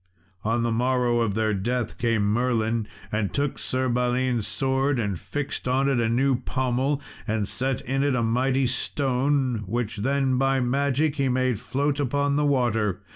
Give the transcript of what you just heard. On the morrow of their death came Merlin, and took Sir Balin's sword and fixed on it a new pommel, and set it in a mighty stone, which then, by magic, he made float upon the water.